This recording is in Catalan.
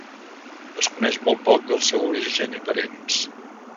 Es coneix molt poc del seu origen i parents.